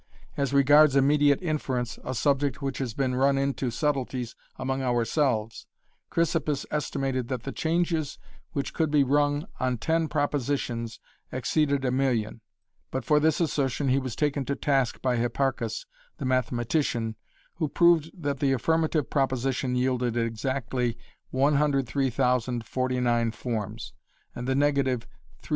As regards immediate inference, a subject which has been run into subtleties among ourselves, Chrysippus estimated that the changes which could be rung on ten propositions exceeded a million, but for this assertion he was taken to task by Hipparchus the mathematician, who proved that the affirmative proposition yielded exactly 103,049 forms and the negative 310,962.